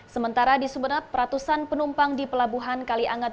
sementara di sumeneb ratusan penumpang di pelabuhan kaliangat